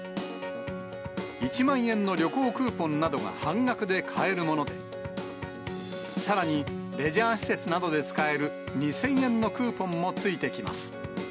１万円の旅行クーポンなどが半額で買えるもので、さらにレジャー施設などで使える２０００円のクーポンも付いてきます。